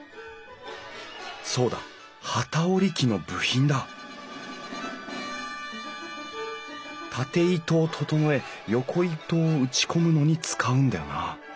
そうだ機織り機の部品だ縦糸を整え横糸を打ち込むのに使うんだよな